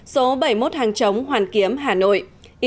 số bảy mươi một hàng chống hoàn kiếm hà nội